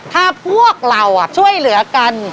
ถ้าพวกเราช่วยเหลือกัน